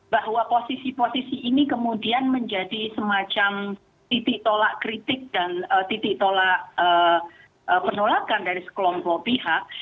bahwa posisi posisi ini kemudian menjadi semacam titik tolak kritik dan titik tolak penolakan dari sekelompok pihak